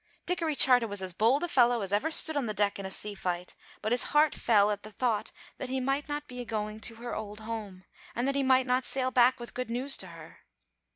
Dickory Charter was as bold a fellow as ever stood on the deck in a sea fight, but his heart fell at the thought that he might not be going to her old home, and that he might not sail back with good news to her.